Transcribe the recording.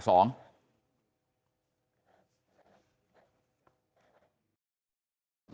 ครับ